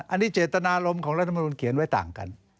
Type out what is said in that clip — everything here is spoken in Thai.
อันนี้เจตนารมณ์ของรัฐมนุนเขียนไว้ต่างกัน